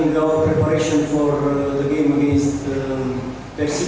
mengenai persiapan kita untuk pertandingan persita